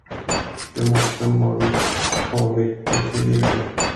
Det måste man ta mycket tidigare.